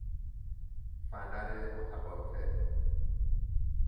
فنر متقاطع